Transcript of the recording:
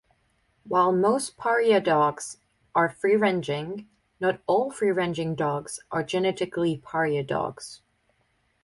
While most pariah dogs are free-ranging, not all free-ranging dogs are genetically pariah dogs.